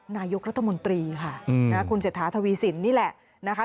นายกรัฐมนตรีค่ะคุณเศรษฐาทวีสินนี่แหละนะคะ